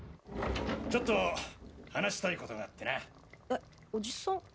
・ちょっと話したい事があってな・えおじさん？